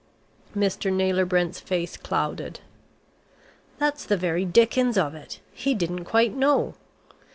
Mr. Naylor Brent's face clouded. "That's the very dickens of it, he didn't quite know.